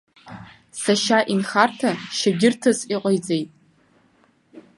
Сашьа инхарҭа шьагьырҭас иҟаиҵеит!